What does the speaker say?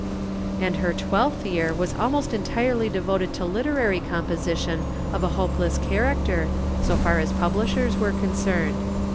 And her twelfth year was almost entirely devoted to literary composition of a hopeless character, so far as publishers were concerned.